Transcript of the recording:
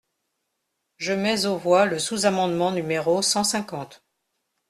Je mets aux voix le sous-amendement numéro cent cinquante.